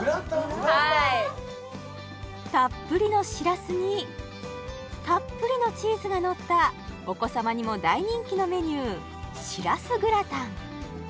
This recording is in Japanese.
最高たっぷりのしらすにたっぷりのチーズがのったお子様にも大人気のメニューしらすグラタン